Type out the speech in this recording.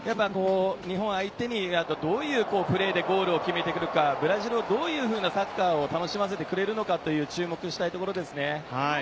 日本を相手にどういうプレーでゴールを決めてくるか、ブラジルのどういうサッカーを楽しませてくれるのか注目したいです。